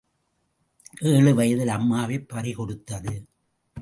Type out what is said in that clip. ஏழு வயதில் அம்மாவைப் பறி கொடுத்தது.